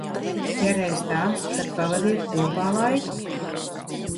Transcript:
Ja reiz tā, tad pavadiet kopā laiku.